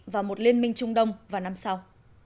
và một liên minh trung đông vào năm sau